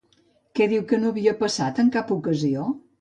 Què diu que no havia passat en cap ocasió?